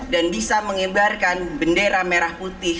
dan bisa mengembarkan bendera merah putih